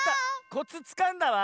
コツつかんだわ。